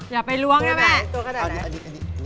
อย่าไปล้วงใช่ไหม